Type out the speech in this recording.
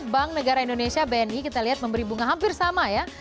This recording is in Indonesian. bank negara indonesia bni kita lihat memberi bunga hampir sama ya